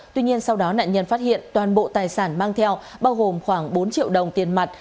tuy nhiên sau đó nạn nhân phát hiện toàn bộ tài sản mang theo bao gồm khoảng bốn triệu đồng tiền mặt